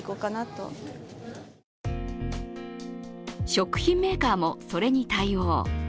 食品メーカーもそれに対応。